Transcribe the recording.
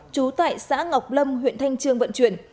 trú tại xã ngọc lâm huyện thanh trương vận chuyển